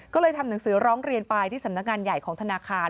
ก็เลยทำหนังสือร้องเรียนไปที่สำนักงานใหญ่ของธนาคาร